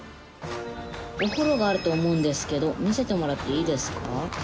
お風呂があると思うんですけど見せてもらっていいですか？